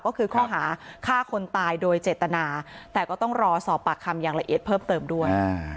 ก็คือข้อหาฆ่าคนตายโดยเจตนาแต่ก็ต้องรอสอบปากคำอย่างละเอียดเพิ่มเติมด้วย